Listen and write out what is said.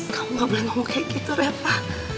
kamu gak boleh ngomong kayak gitu reva